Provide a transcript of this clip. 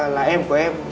là em của em